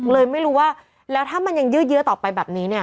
เลยไม่รู้ว่าแล้วถ้ามันยังยืดเยอะต่อไปแบบนี้เนี่ย